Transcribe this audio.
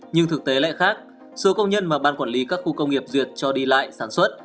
nhưng thực tế lại khác số công nhân mà ban quản lý các khu công nghiệp duyệt cho đi lại sản xuất